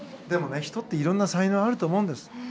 でも、人っていろんな才能があると思うんです。